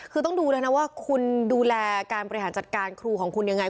ก็ต้องดูว่าคุณดูแลระปริหารจัดการครูของคุณยังไง